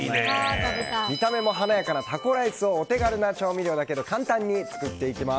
見た目も華やかなタコライスをお手軽材料だけで簡単に作っていきます。